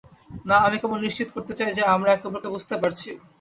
না, আমি কেবল নিশ্চিত করতে চাই যে আমরা একে অপরকে বুঝতে পারছি।